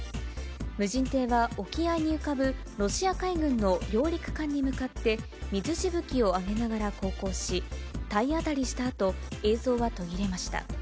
無人艇は沖合に浮かぶロシア海軍の揚陸艦に向かって、水しぶきを上げながら航行し、体当たりしたあと、映像は途切れました。